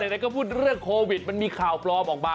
ไหนก็พูดเรื่องโควิดมันมีข่าวปลอมออกมา